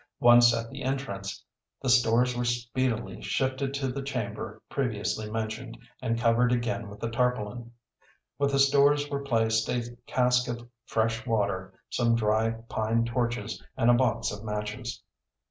Once at the entrance, the stores were speedily shifted to the chamber previously mentioned, and covered again with the tarpaulin. With the stores were placed a cask of fresh water, some dry pine torches and a box of matches.